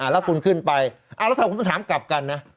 แล้วคุณขึ้นไปแล้วถ้าคุณถามกลับกันนะ